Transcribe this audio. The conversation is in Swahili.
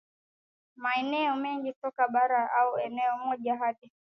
maeneo mengine toka bara au eneo moja hadi